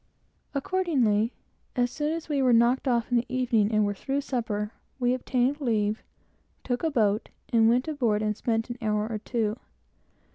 Accordingly, as soon as we were knocked off in the evening and had got supper, we obtained leave, took a boat, and went aboard and spent an hour or two.